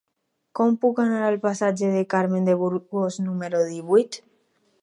Com puc anar al passatge de Carmen de Burgos número divuit?